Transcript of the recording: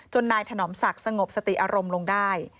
นายถนอมศักดิ์สงบสติอารมณ์ลงได้